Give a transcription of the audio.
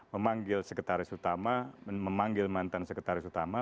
memanggil sekretaris utama memanggil mantan sekretaris utama